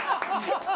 ハハハハ！